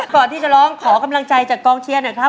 ก่อนที่จะร้องขอกำลังใจจากกองเชียร์หน่อยครับ